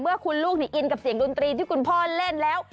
เมื่อคุณลูกทำให้อินแต่เสียงจนทีที่คุณพ่อเล่นแล้ว